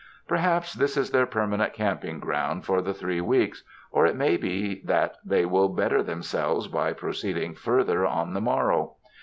Perhaps this is their permanent camping ground for the three weeks, or it may be that they will better themselves by proceeding further on the mor row.